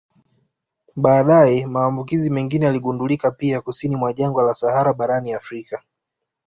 Baadaye maambukizi mengine yaligundulika pia kusini mwa jangwa la Sahara barani Afrika